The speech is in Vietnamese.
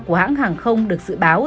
của hãng hàng không được dự báo